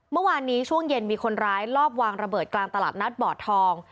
เมื่อวานนี้ช่วงเย็นมีคนร้ายลอบวางระเบิดกลางตลาดนัดบ่อทอง